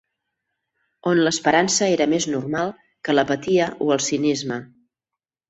On l'esperança era més normal que l'apatia o el cinisme